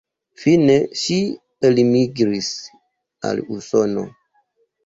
Fine ŝi elmigris al Usono.